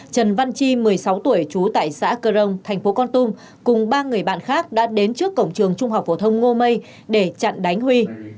trần văn chi một mươi sáu tuổi trú tại xã cơ rông tp con tum cùng ba người bạn khác đã đến trước cổng trường trung học phổ thông ngô mây để chặn đánh huy